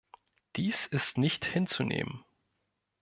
Dies ist nicht hinzunehmen.